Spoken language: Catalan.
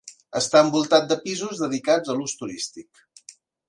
Està envoltat de pisos dedicats a l’ús turístic.